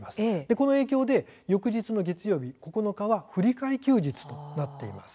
この影響で翌日の９日月曜日は振り替え休日となっています。